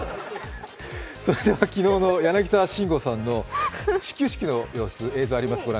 それでは昨日の柳沢慎吾さんの始球式の様子、映像がありますのでご覧